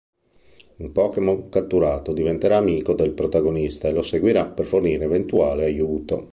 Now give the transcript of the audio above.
Un Pokémon catturato diventerà amico del protagonista e lo seguirà per fornire eventuale aiuto.